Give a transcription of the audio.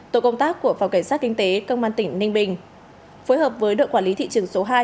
tổ công tác của phòng cảnh sát kinh tế công an tỉnh ninh bình phối hợp với đội quản lý thị trường số hai